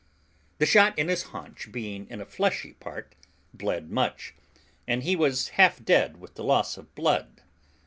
The shot in his haunch being in a fleshy part, bled much, and he was half dead with the loss of blood.